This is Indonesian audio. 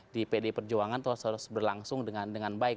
di pd perjuangan itu harus berlangsung dengan baik